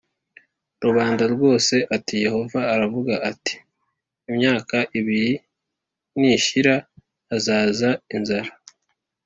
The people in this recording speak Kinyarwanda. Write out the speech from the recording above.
rubanda rwose ati Yehova aravuga ati imyaka ibiri nishira hazaza inzara